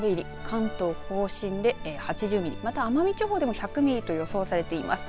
関東甲信で８０ミリまた奄美地方でも１００ミリと予想されています。